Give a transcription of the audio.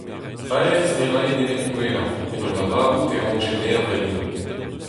Ahez ne rae nemet gouelañ, en ur lavarout e rankje mervel eno.